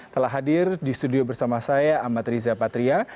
telah hadir di studio bersama saya amat riza patria